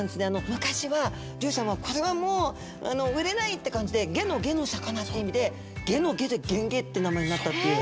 昔は漁師さんはこれはもう売れないって感じで「下の下の魚」って意味で「下の下」で「ゲンゲ」って名前になったっていう。